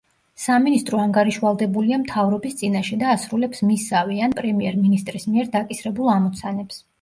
სამინისტრო ანგარიშვალდებულია მთავრობის წინაშე და ასრულებს მისსავე ან პრემიერ-მინისტრის მიერ დაკისრებულ ამოცანებს.